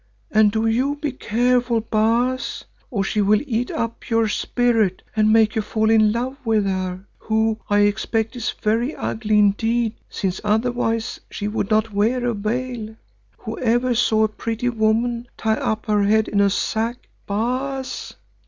And do you be careful, Baas, or she will eat up your spirit and make you fall in love with her, who, I expect, is very ugly indeed, since otherwise she would not wear a veil. Whoever saw a pretty woman tie up her head in a sack, Baas?"